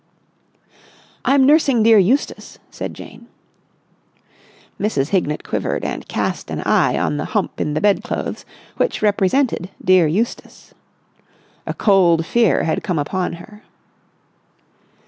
"I'm nursing dear Eustace," said Jane. Mrs. Hignett quivered, and cast an eye on the hump in the bedclothes which represented dear Eustace. A cold fear had come upon her.